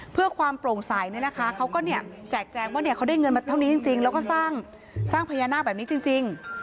เพื่อความโปร่งใสเนี่ยนะคะเขาก็แจกแจงว่าเขาได้เงินมาเท่านี้จริงแล้วก็สร้างพญานาคแบบนี้จริง